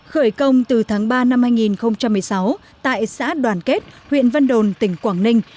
khởi công từ tháng ba năm hai nghìn một mươi sáu tại xã đoàn kết huyện vân đồn tỉnh quảng ninh